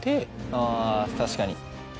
あぁ確かに。